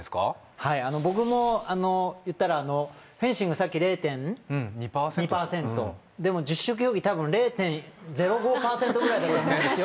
はい僕も言ったらフェンシングさっき０．２％でも十種競技多分０．０５％ぐらいだと思うんですよ